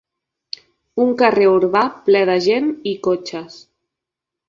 Un carrer urbà ple de gent i cotxes.